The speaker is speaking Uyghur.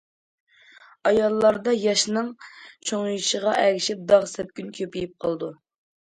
ئاياللاردا ياشنىڭ چوڭىيىشىغا ئەگىشىپ داغ، سەپكۈن كۆپىيىپ قالىدۇ.